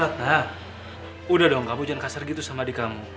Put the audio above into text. hatta udah dong kamu jangan kasar gitu sama adik kamu